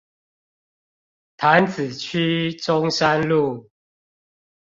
潭子區中山路